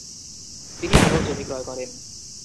তিনি আরও জমি ক্রয় করেন ।